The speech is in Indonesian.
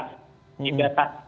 atau ada pembatasan